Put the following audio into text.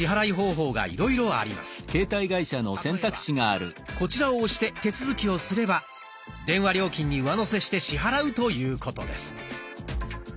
例えばこちらを押して手続きをすれば電話料金に上乗せして支払うということです。